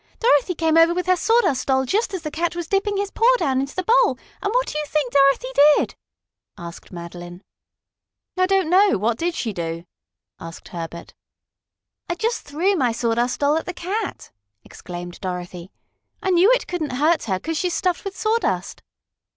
Dorothy came over with her Sawdust Doll just as the cat was dipping his paw down into the bowl, and what do you think Dorothy did?" asked Madeline. "I don't know. What did she do?" asked Herbert. "I just threw my Sawdust Doll at the cat!" exclaimed Dorothy. "I knew it couldn't hurt her, 'cause she's stuffed with sawdust."